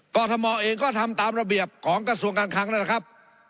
กรทมเองก็ทำตามระเบียบของกระทรวงการคลังนั่นแหละครับ